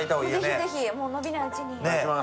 ぜひぜひ、伸びないうちに。